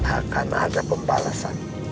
akan ada pembalasan